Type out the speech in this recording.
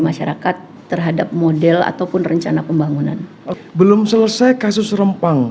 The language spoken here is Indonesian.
masyarakat terhadap model ataupun rencana pembangunan belum selesai kasus rempang